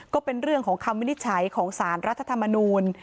ก็เป็นเรื่องของคำวินิจฉัยของสารรัฐธรรมนูล